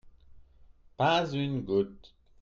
Pas une goutte.